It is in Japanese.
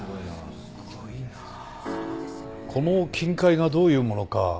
この金塊がどういうものか